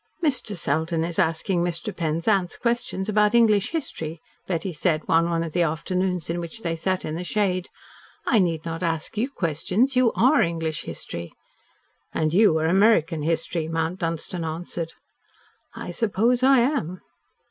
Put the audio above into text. "Mr. Selden is asking Mr. Penzance questions about English history," Betty said, on one of the afternoons in which they sat in the shade. "I need not ask you questions. You ARE English history." "And you are American history," Mount Dunstan answered. "I suppose I am."